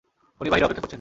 উনি বাহিরে অপেক্ষা করছেন!